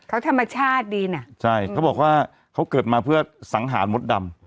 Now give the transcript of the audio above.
เขาธรรมชาติดีน่ะใช่เขาบอกว่าเขาเกิดมาเพื่อสังหารมดดำ